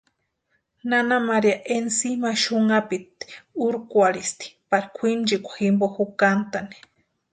Nana María ensima ma xunhapiti urkwarhisti pari kwʼinchekwa jimpo jukantʼani.